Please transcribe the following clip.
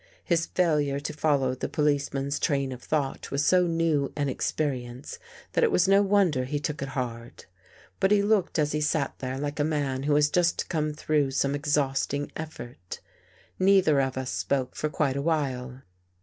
His failure to follow the policeman's train of thought was so new an experience that it was no wonder he took it hard. But he looked as he sat there like a man who has just come through some exhausting effort. Neither of us spoke for quite a while.